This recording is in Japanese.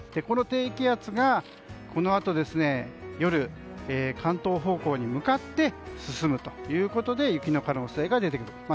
この低気圧が、このあと夜関東方向に向かって進むということで雪の可能性が出てくる。